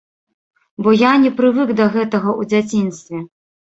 Бо я не прывык да гэтага ў дзяцінстве.